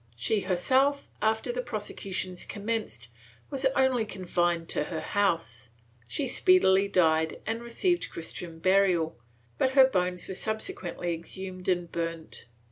She her self, after the prosecutions commenced, was only confined to her house; she speedily died and received Christian burial, but her bones were subsequently exhumed and burnt.